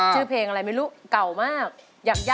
ชื่อเพลงอะไรไม่รู้เก่ามาก